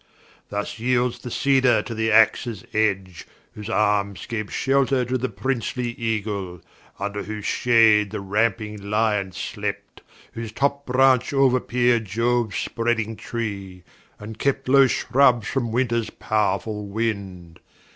Thus yeelds the Cedar to the Axes edge, Whose Armes gaue shelter to the Princely Eagle, Vnder whose shade the ramping Lyon slept, Whose top branch ouer peer'd Ioues spreading Tree, And kept low Shrubs from Winters pow'rfull Winde.